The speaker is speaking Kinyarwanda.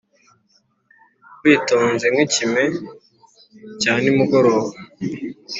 witonze nk'ikime cya nimugoroba